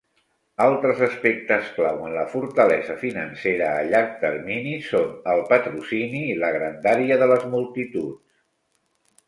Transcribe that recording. Altres aspectes clau en la fortalesa financera a llarg termini són el patrocini i la grandària de les multituds.